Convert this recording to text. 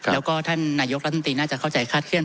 แล้วก็ท่านนายกรัฐมนตรีน่าจะเข้าใจคาดเคลื